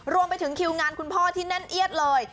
รวมไปถึงคิวงานคุณพ่อที่แน่นเอียดเลย